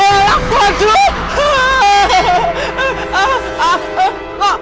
eh apaan tuh